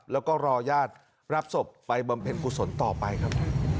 แล้วก็รอญาติรับศพไปบำเพ็ญกุศลต่อไปครับ